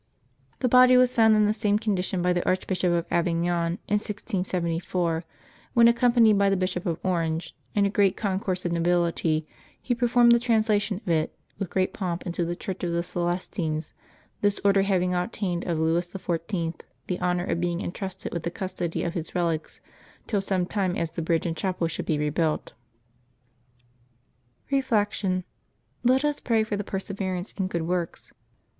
The body was found in the same condition by the Archbishop of Avignon in 1674, when, accompanied by the Bishop of Orange and a great concourse of nobility, he performed the translation of it, with great pomp, into the Church of the Celestines, this Order having obtained of Louis XIY. the honor of being intrusted with the custody of his relics till such time as the bridge and chapel should be rebuilt. Reflection. — Let us pray for perseverance in good works.